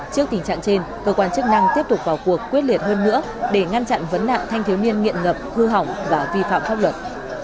trước tình trạng trên cơ quan chức năng tiếp tục vào cuộc quyết liệt hơn nữa để ngăn chặn vấn nạn thanh thiếu niên nghiện ngập hư hỏng và vi phạm pháp luật